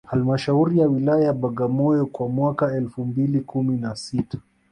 Halmashauri ya Wilaya ya Bagamoyo kwa mwaka elfu mbili kumi na sita